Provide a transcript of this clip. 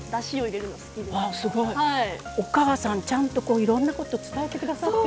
すごい！お母さんちゃんといろんなこと伝えて下さってるね。